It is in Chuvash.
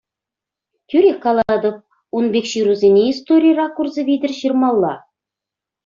Тӳрех калатӑп, ун пек ҫырусене истори ракурсӗ витӗр ҫырмалла.